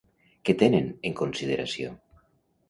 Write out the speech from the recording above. Què tenen en consideració?